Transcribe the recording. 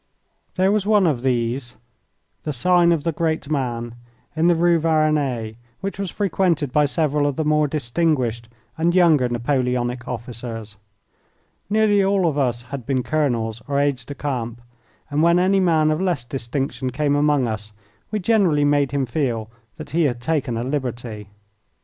There was one of these the Sign of the Great Man in the Rue Varennes, which was frequented by several of the more distinguished and younger Napoleonic officers. Nearly all of us had been colonels or aides de camp, and when any man of less distinction came among us we generally made him feel that he had taken a liberty.